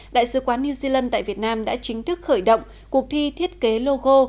đại sứ quán new zealand tại việt nam đã chính thức khởi động cuộc thi thiết kế logo